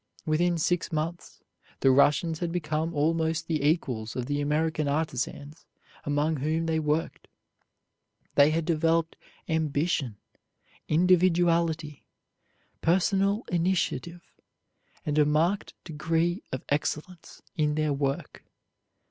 Within six months the Russians had become almost the equals of the American artisans among whom they worked. They had developed ambition, individuality, personal initiative, and a marked degree of excellence in their work.